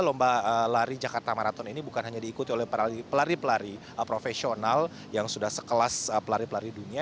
lomba lari jakarta marathon ini bukan hanya diikuti oleh pelari pelari profesional yang sudah sekelas pelari pelari dunia